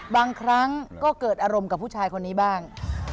บางครั้งก็เกิดอารมณ์กับผู้ชายคนนี้บ้าง